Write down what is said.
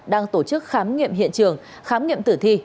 đang tổ chức khám nghiệm hiện trường khám nghiệm tử thi